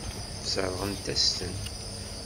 Sseṛɣent-asen-ten.